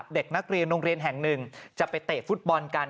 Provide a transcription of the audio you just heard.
เด็กนักเรียนโรงเรียนแห่งหนึ่งจะไปเตะฟุตบอลกัน